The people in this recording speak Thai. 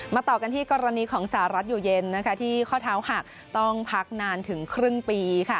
ต่อกันที่กรณีของสหรัฐอยู่เย็นที่ข้อเท้าหักต้องพักนานถึงครึ่งปี